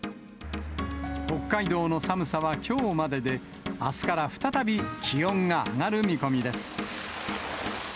北海道の寒さはきょうまでで、あすから再び、気温が上がる見込みです。